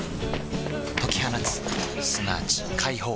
解き放つすなわち解放